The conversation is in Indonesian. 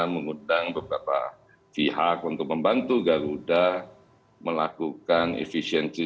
mengundang beberapa pihak untuk membantu garuda melakukan efisiensi